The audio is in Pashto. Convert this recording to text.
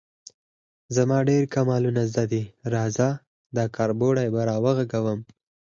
_زما ډېر کمالونه زده دي، راځه، دا کربوړی به راوغږوم.